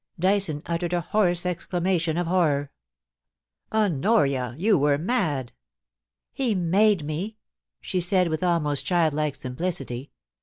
Dyson uttered a hoarse exclamation of horror. ' Honoria ! you were mad.' ' He made me,' she said, with almost childlike simplidty.